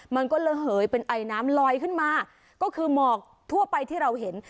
มันก็ระเหยเป็นไอน้ำลอยขึ้นมาก็คือหมอกทั่วไปที่เราเห็น